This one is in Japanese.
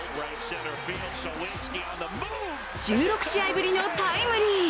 １６試合ぶりのタイムリー。